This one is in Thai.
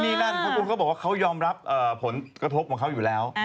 นี่นั่นคุณก็บอกว่าเขายอมรับผลกระทบของเขาอยู่แล้ว